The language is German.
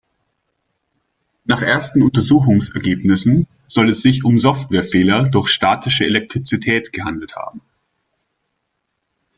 Nach ersten Untersuchungsergebnissen soll es sich um Softwarefehler durch statische Elektrizität gehandelt haben.